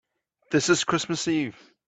This is Christmas Eve.